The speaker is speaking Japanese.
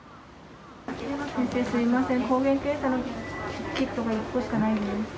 先生、すみません、抗原検査のキットが１個しかないです。